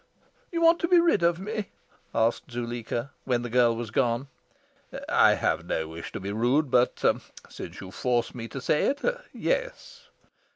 "You want to be rid of me?" asked Zuleika, when the girl was gone. "I have no wish to be rude; but since you force me to say it yes."